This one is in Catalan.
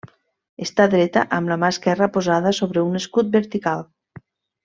Està dreta amb la mà esquerra posada sobre un escut vertical.